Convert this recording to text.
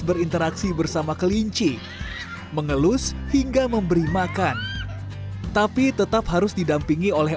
berinteraksi bersama kelinci mengelus hingga memberi makan tapi tetap harus didampingi oleh